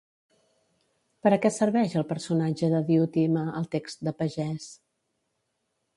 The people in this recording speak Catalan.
Per a què serveix el personatge de Diotima al text de Pagès?